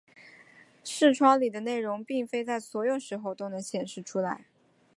视窗里的内容并非在所有时候都能显示出来。